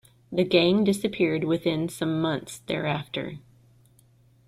The gang disappeared within some months thereafter.